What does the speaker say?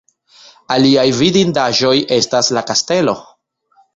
Aliaj vidindaĵoj estas la kastelo.